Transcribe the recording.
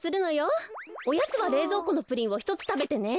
おやつはれいぞうこのプリンをひとつたべてね。